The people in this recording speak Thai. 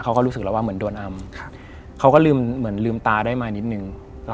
รู้สึกแล้วว่าเหมือนโดนอำเขาก็ลืมเหมือนลืมตาได้มานิดนึง